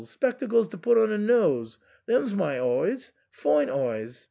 Spect'cles to put 'n nose ! Them's my oyes — foine oyes."